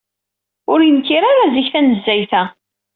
Ur yenkir ara zik tanezzayt-a.